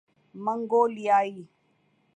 منگولیائی